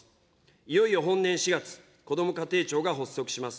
いよいよ本年４月、こども家庭庁が発足します。